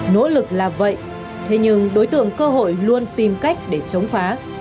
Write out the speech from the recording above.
nỗ lực là vậy thế nhưng đối tượng cơ hội luôn tìm cách để chống phá